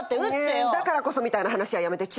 ねえだからこそみたいな話はやめて違うから。